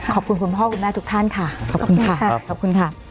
ขอบคุณคุณพ่อคุณแม่ทุกท่านค่ะขอบคุณค่ะขอบคุณค่ะ